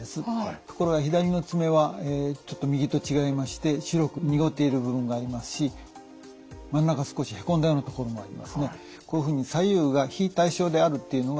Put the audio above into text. ところが左の爪はちょっと右と違いまして白く濁っている部分がありますし真ん中少しへこんだようなところもありますね。